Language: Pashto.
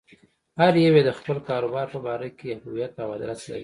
هر يو يې د خپل کاروبار په باره کې هويت او ادرس لري.